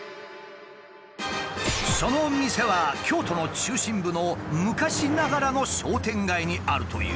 その店は京都の中心部の昔ながらの商店街にあるという。